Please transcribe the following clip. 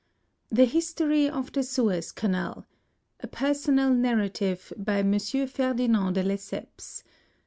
, THE HISTOKY OF THE SUEZ CANAL A PERSONAL NARRATIVE BY MONSIEUR FERDINAND DE LESSEPS G. C. S.